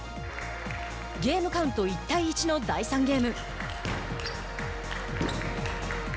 ゲームカウント１対１の第３ゲーム。